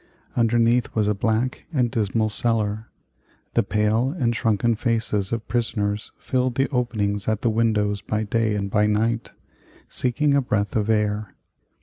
Underneath was a black and dismal cellar. The pale and shrunken faces of prisoners filled the openings at the windows by day and by night, seeking a breath of air.